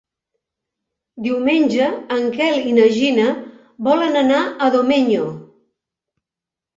Diumenge en Quel i na Gina volen anar a Domenyo.